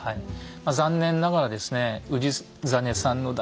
残念ながらですね